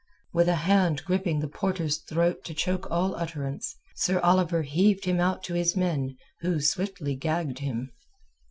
With a hand gripping the porter's throat to choke all utterance, Sir Oliver heaved him out to his men, who swiftly gagged him.